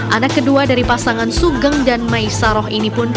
anak kedua dari pasangan sugeng dan maisaroh ini pun